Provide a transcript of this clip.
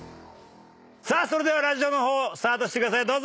さあそれではラジオの方スタートしてください。